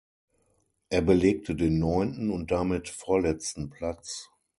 Er belegte den neunten und damit vorletzten Platz.